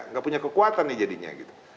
tidak punya kekuatan jadinya